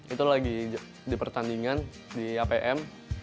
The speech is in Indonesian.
itu lagi di pertandingan di apm